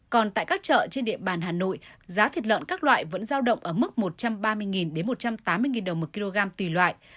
còn tại các chợ trên địa bàn hà nội giá thịt lợn các loại vẫn giao động ở mức một trăm ba mươi một trăm tám mươi đồng một kg tùy loại